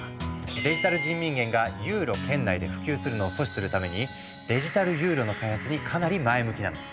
デジタル人民元がユーロ圏内で普及するのを阻止するためにデジタルユーロの開発にかなり前向きなの。